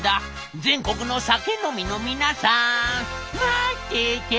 全国の酒飲みの皆さん待っててね！」。